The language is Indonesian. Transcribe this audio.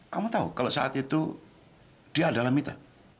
kamu tahu kalau saat itu dia adalah mita